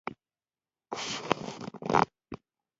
په افغانستان کې ډېر ښکلي سیلاني ځایونه شتون لري.